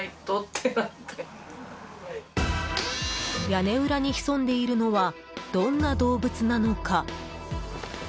屋根裏に潜んでいるのはどんな動物なのか？